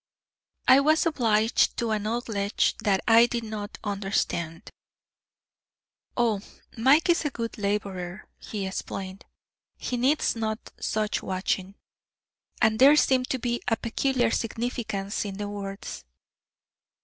I was obliged to acknowledge that I did not quite understand. "Oh, Mike is a good laborer," he explained; "he needs no such watching," and there seemed to be a peculiar significance in his words.